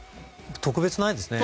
特別ないですね。